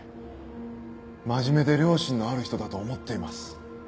真面目で良心のある人だと思っています。